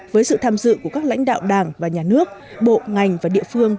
với sự tham dự của các lãnh đạo đảng và nhà nước bộ ngành và địa phương